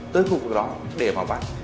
tới khu vực đó để mà bắt